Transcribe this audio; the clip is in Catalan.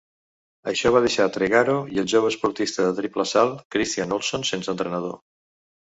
Això va deixar Tregaro i el jove esportista de triple salt, Christian Olsson, sense entrenador.